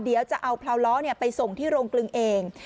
เดี๋ยวจะเอาพลาวล้อไปส่งที่โรงกลึงเอง